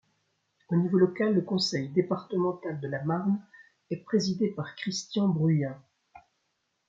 Au niveau local, le conseil départemental de la Marne est présidé par Christian Bruyen.